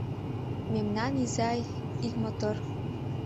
Мемнан изай ик мотор.